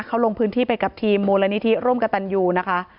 เขาลงพื้นที่ไปกับทีมมูลนิธิร่วมกับตันยูนะคะ